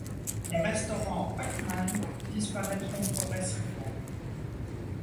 Les restaurants Packman disparaîtront progressivement.